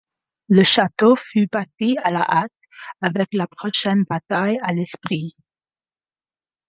Le château fut bâti à la hâte avec la prochaine bataille à l'esprit.